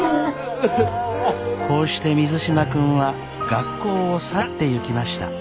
こうして水島君は学校を去っていきました。